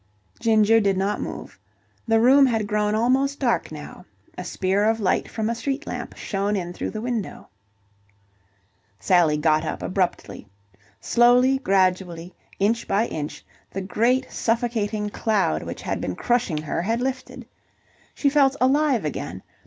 Ginger did not move. The room had grown almost dark now. A spear of light from a street lamp shone in through the window. Sally got up abruptly. Slowly, gradually, inch by inch, the great suffocating cloud which had been crushing her had lifted. She felt alive again.